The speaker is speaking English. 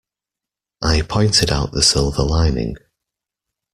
I pointed out the silver lining.